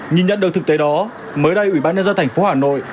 nhìn nhận được thực tế đó mới đây ủy ban nhân dân thành phố hà nội